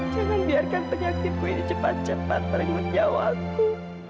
jangan biarkan penyakitku ini cepat cepat maring ke nyawaku